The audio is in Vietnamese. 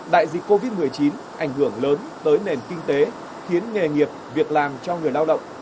đại dịch covid một mươi chín ảnh hưởng lớn tới nền kinh tế khiến nghề nghiệp việc làm cho người lao động